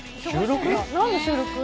何の収録？